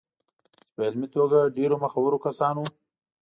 چې په علمي توګه ډېرو مخورو کسانو